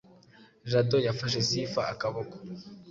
Jado yafashe Sifa akaboko